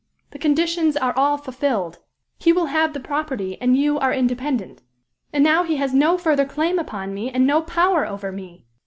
The conditions are all fulfilled; he will have the property, and you are independent. And now he has no further claim upon me, and no power over me!"